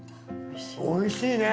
おいしいね。